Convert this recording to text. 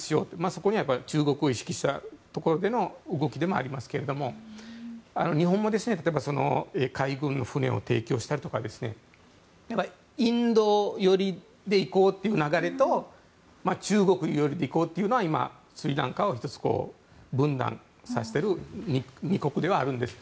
そこは中国を意識した形での動きではありますが日本も例えば海軍の船を提供したりインド寄りで行こうという流れと中国寄りで行こうというのは今、スリランカを１つ分断させている２国ではあるんです。